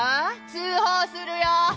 通報するよ。